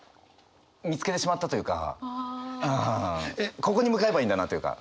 ここに向かえばいいんだなというか。